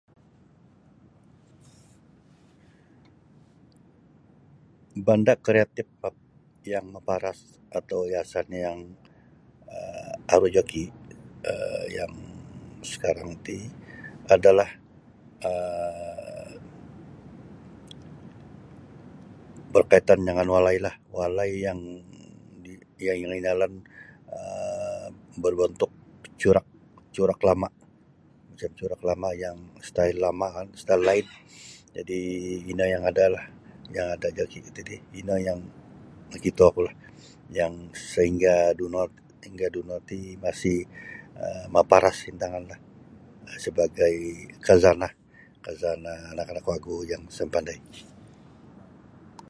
Banda' kreatif map yang maparas atau hiasan yang um aru joki' um yang sekarang ti adalah um berkaitan jangan walailah walai yang yang inalan um berbontuk corak-corak lama' corak-corak lama' yang stail lama' kan stail laid jadi' ino yang adalah yang ada joki kuo titi ino yang nokitokulah yang saingga dauno ti masih um maparas intanganlah sabagai khazanah khazanah anak-anak wagu yang sa mapandai.